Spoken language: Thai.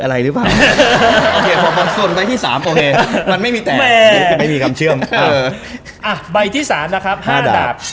อ่าใบที่๓นะครับห้าดาพ